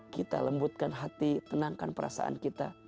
kita lembutkan hati tenangkan perasaan kita